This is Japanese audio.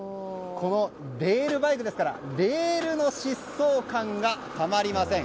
レールバイクですからレールの疾走感がたまりません。